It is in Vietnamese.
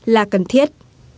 là cần thiết